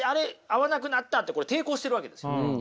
合わなくなったってこれ抵抗してるわけですよね。